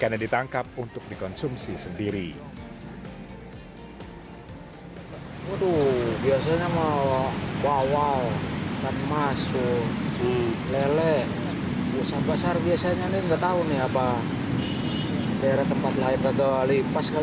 jadi kita selalu memanfaatkan ini ya pak